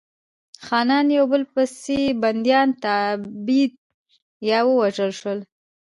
خانان یو په بل پسې بندیان، تبعید یا ووژل شول.